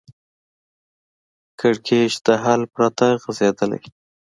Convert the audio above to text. کړکېچ د حل پرته غځېدلی